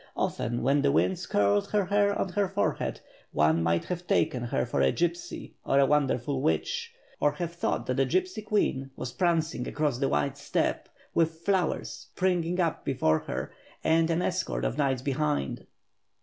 Often when the winds curled her hair on her forehead, one might have taken her for a gypsy; or a wonderful witch, or have thought that a gypsy queen was prancing across the wide steppe, with flowers pringing up before her, and an escort of knights behind.